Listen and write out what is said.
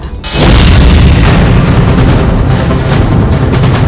kau perlu bantuan